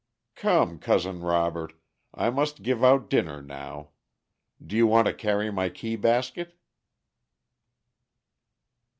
"Come, Cousin Robert, I must give out dinner now. Do you want to carry my key basket?"